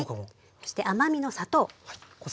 そして甘みの砂糖。